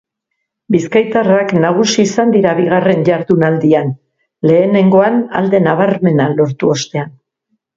Bizkaitarrak nagusi izan dira bigarren jardunaldian, lehenegoan alde nabarmena lortu ostean.